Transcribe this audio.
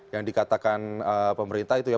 yang dikatakan pemerintah itu ya